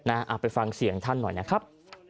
เอาไปฟังเสียงท่านหน่อยนะครับ